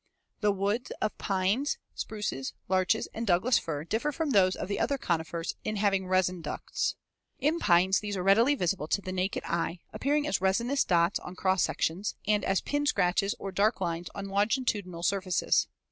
The woods of the pines, spruces, larches, and Douglas fir differ from those of the other conifers in having resin ducts, Fig. 144. In pines these are readily visible to the naked eye, appearing as resinous dots on cross sections and as pin scratches or dark lines on longitudinal surfaces.